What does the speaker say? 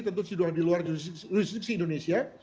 tentu sudah di luar restriksi indonesia